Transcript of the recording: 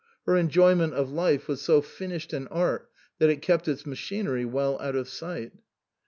Her enjoyment of life was so finished an art that it kept its machinery well out of sight.